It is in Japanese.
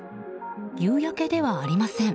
夕焼けではありません。